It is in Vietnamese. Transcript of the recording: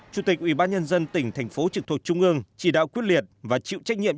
chủ tịch ubnd tỉnh thành phố trực thuộc trung ương chỉ đạo quyết liệt và chịu trách nhiệm